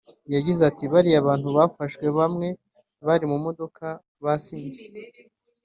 Yagize ati “Bariya bantu bafashwe bamwe bari mu modoka basinze